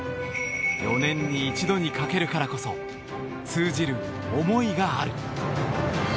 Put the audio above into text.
４年に一度にかけるからこそ通じる思いがある。